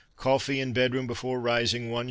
Coffee in bedroom before rising, 1s.